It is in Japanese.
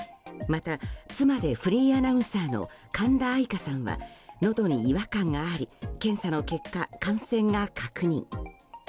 また、妻でフリーアナウンサーの神田愛花さんはのどに違和感があり検査の結果、感染が確認。